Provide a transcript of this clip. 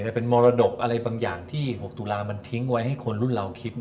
เป็นมรดกอะไรบางอย่างที่๖ตุลามันทิ้งไว้ให้คนรุ่นเราคิด